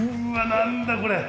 何だこれ？